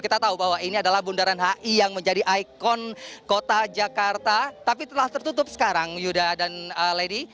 kita tahu bahwa ini adalah bundaran hi yang menjadi ikon kota jakarta tapi telah tertutup sekarang yuda dan lady